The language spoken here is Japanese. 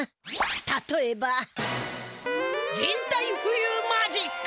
たとえば人体ふゆうマジック！